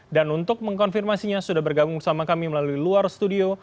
dan untuk mengkonfirmasinya sudah bergabung sama kami melalui luar studio